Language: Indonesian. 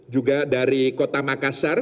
juga dari kota makassar